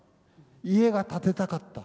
家が建てたかった。